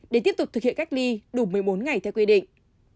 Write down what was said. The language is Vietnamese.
để tiếp tục thực hiện cách ly đủ một mươi bốn ngày theo quy định